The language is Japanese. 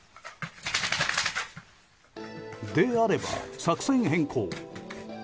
であれば、作戦変更。